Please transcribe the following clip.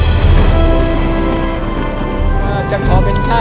ก็ต้องยอมรับว่ามันอัดอั้นตันใจและมันกลั้นไว้ไม่อยู่จริง